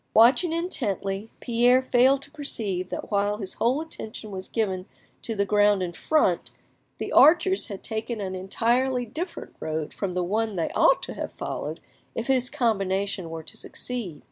Watching intently; Pierre failed to perceive that while his whole attention was given to the ground in front, the archers had taken an entirely different road from the one they ought to have followed if his combination were to succeed.